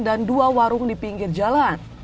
dan dua warung di pinggir jalan